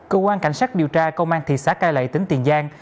cơ quan cảnh sát điều tra công an thị xã cai lệ tỉnh tiền giang